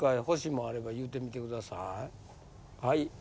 欲しいもんあれば言うてみてください。